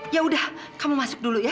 yaudah kamu masuk dulu ya